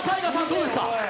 どうですか。